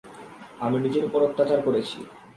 আমি নিজের উপর অত্যাচার করেছি।